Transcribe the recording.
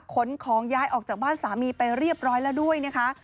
ขนของย้ายออกจากบ้านสามีไปเรียบร้อยแล้วด้วยนะคะ